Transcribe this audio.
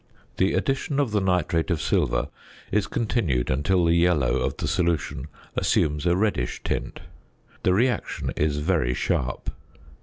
The addition of the nitrate of silver is continued until the yellow of the solution assumes a reddish tint. The reaction is very sharp.